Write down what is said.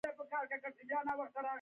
الله رحم کوونکی دی باور ولری